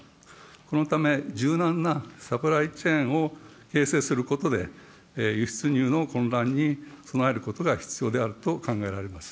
このため、柔軟なサプライチェーンを形成することで、輸出入の混乱に備えることが必要であると考えられます。